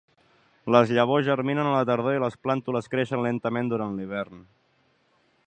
Les llavors germinen a la tardor i les plàntules creixen lentament durant l'hivern.